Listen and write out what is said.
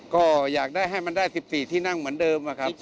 ก็อยากได้ให้มันได้๑๔ที่นั่งเหมือนเดิมอะครับ